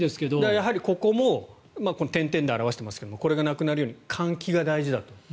やはりここも点々で表していますがこれがなくなるように換気が大事だと。